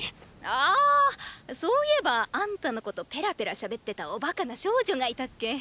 あーそういえばあんたのことペラペラしゃべってたおバカな少女がいたっけ。